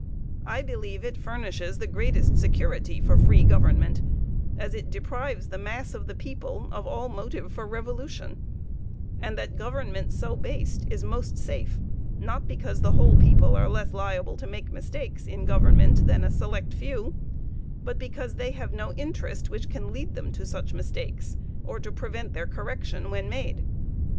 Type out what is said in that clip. I believe it furnishes the greatest security for free government, as it deprives the mass of the people of all motive for revolution; and that government so based is most safe, not because the whole people are less liable to make mistakes in government than a select few, but because they have no interest which can lead them to such mistakes, or to prevent their correction when made.